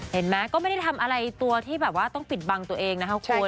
เห็นไหมก็ไม่ได้ทำอะไรตัวที่แบบว่าต้องปิดบังตัวเองนะคะคุณ